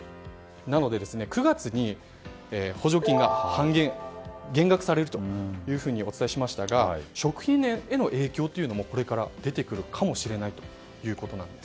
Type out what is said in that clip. なので、９月に補助金が減額されるとお伝えしましたが食品への影響もこれから出てくるかもしれないということなんです。